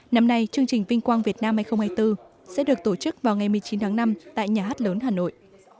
năm nay chương trình vinh quang việt nam hai nghìn hai mươi bốn sẽ được tổ chức vào ngày một mươi chín tháng năm tại nhà hát lớn hà nội